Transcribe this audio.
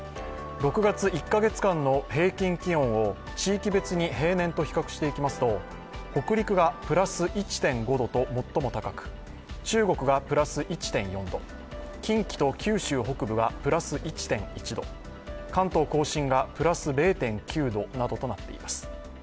６月１カ月間の平均気温を地域別に平年と比較していきますと、北陸が＋１．５度と最も高く中国がプラス１．４度近畿と九州北部がプラス１．１度、関東甲信がプラス０．９度などとなっています。